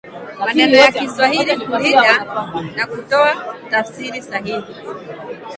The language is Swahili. maneno ya Kiswahili Kulinda na kutoa tafsiri sahihi